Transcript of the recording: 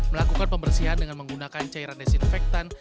melakukan pembersihan dengan menggunakan cairan desinfektan